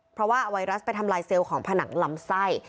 เพราะว่าไวรัสไปทำลายเซลล์ของผนังลำไส้